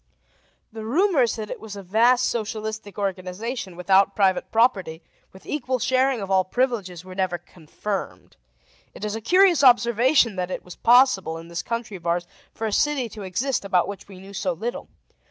The rumors that it was a vast socialistic organization, without private property, with equal sharing of all privileges, were never confirmed. It is a curious observation that it was possible, in this country of ours, for a city to exist about which we knew so little.